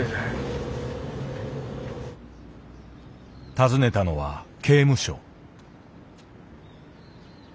訪ねたのは刑務所。